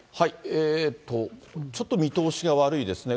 ちょっと見通しが悪いですね。